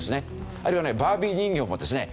あるいはバービー人形もですね